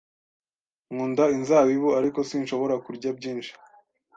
Nkunda inzabibu, ariko sinshobora kurya byinshi.